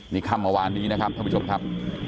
มีคำว่านี้นะครับท่านผู้ชมครับ